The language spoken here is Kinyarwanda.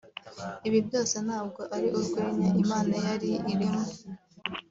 Ibi byose ntabwo ari urwenya Imana yari irimo